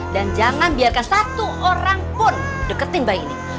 dan jangan biarkan satu orang pun deketin bayi ini